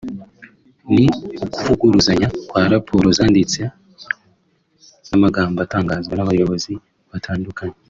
ni ukuvuguruzanya kwa raporo zanditse n’amagambo atangazwa n’abayobozi batandukanye